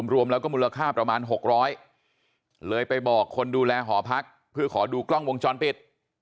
รวมแล้วก็มูลค่าประมาณ๖๐๐เลยไปบอกคนดูแลหอพักเพื่อขอดูกล้องวงจรปิด